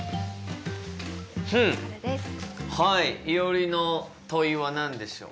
いおりの問いは何でしょう？